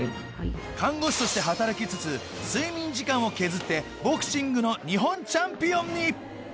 看護師として働きつつ睡眠時間を削ってボクシングの日本チャンピオンに！